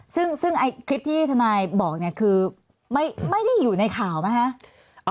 ซึ่งคลิปที่ทนายบอกเนี่ยคือไม่ได้อยู่ในข่าวไหมคะ